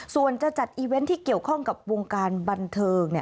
ส่วนจะจัดอีเวนต์ที่เกี่ยวข้องกับวงการบันเทิง